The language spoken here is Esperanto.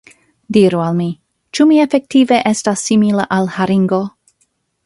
Diru al mi, ĉu mi efektive estas simila al haringo?